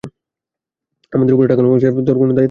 আমাদের উপরে টাকা লাগানো ছাড়া তোর আর কোনো দায়িত্ব আছে?